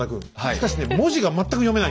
しかしね文字が全く読めないんだ。